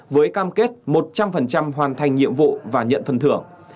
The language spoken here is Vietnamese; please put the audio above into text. với cam kết một trăm linh hoàn thành nhiệm vụ và nhận phần thưởng